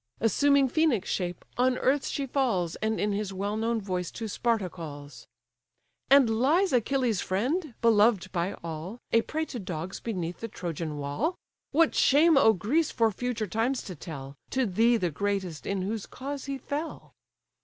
Assuming Phœnix' shape on earth she falls, And in his well known voice to Sparta calls: "And lies Achilles' friend, beloved by all, A prey to dogs beneath the Trojan wall? What shame 'o Greece for future times to tell, To thee the greatest in whose cause he fell!"